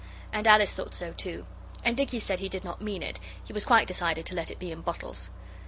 And Alice thought so too. And Dicky said he did not mean it, he was quite decided to let it be in bottles.